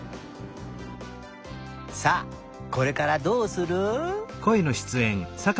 さあこれからどうする？